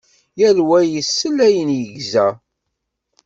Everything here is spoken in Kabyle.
Yal wa yessel ayen yegza.